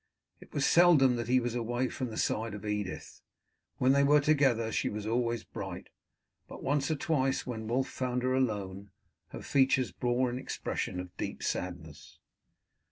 It was seldom that he was away from the side of Edith. When they were together she was always bright, but once or twice when Wulf found her alone her features bore an expression of deep sadness.